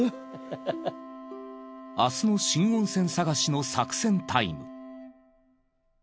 明日の新温泉探しの作戦タイム。